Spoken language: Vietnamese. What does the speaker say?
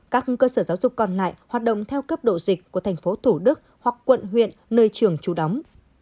các cơ sở giáo dục còn lại hoạt động theo cấp độ dịch của tp thủ đức hoặc quận huyện nơi trường trú đóng